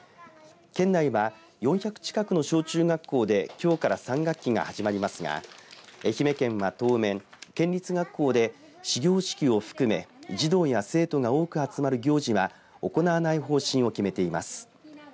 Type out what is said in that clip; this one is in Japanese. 県内は４００近くの小中学校できょうから３学期が始まりますが愛媛県は当面、県立学校で始業式を含め、児童や生徒が多く集まる行事は行わない方針を決めています。